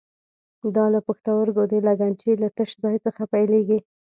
دا له پښتورګو د لګنچې له تش ځای څخه پیلېږي.